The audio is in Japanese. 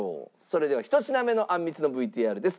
それでは１品目のあんみつのＶＴＲです。